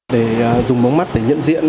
để dùng mống mắt để nhận diện